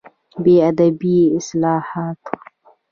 په ادبي اصلاحاتو